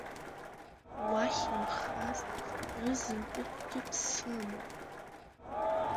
Уахь инхаз рызынтәыкгьы ԥсыма…